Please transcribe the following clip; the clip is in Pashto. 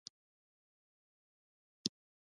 محمدرسول سره په خبرو خبرو کې خوب راباندې غلبه وکړه.